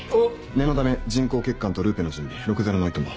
念のため人工血管とルーペの準備６ー０の糸も。